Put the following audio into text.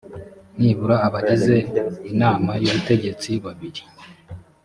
nibura abagize inama y’ubutegetsi babiri